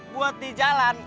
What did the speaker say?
buat di jalan